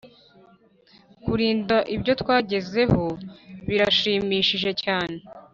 kurinda ibyo twagezeho birashimishije cyane